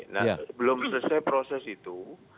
nah belum selesai proses itu